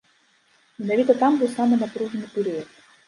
Менавіта там быў самы напружаны перыяд.